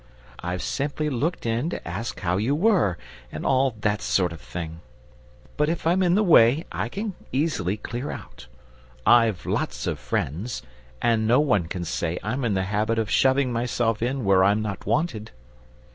I've simply looked in to ask you how you were and all that sort of thing; but if I'm in the way I can easily clear out. I've lots of friends, and no one can say I'm in the habit of shoving myself in where I'm not wanted!"